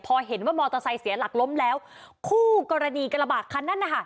พอเห็นว่ามอเตอร์ไซค์เสียหลักล้มแล้วคู่กรณีกระบะคันนั้นนะคะ